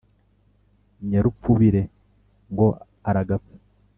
nyarupfubire ngo aragapfa